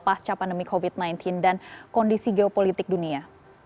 pasca pandemi covid sembilan belas dan kondisi geopolitik dunia